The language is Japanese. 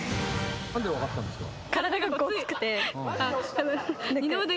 何で分かったんですか？